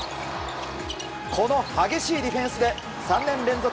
この激しいディフェンスで３年連続